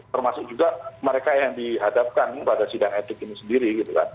termasuk juga mereka yang dihadapkan pada sidang etik ini sendiri gitu kan